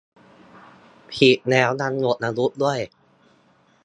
ผิดแล้วยังหมดอายุด้วย